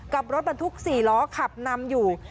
กับรถบรรทุก๔ล้อขับนำอยู่